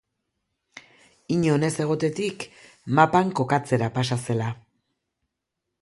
Inon ez egotetik mapan kokatzera pasa zela.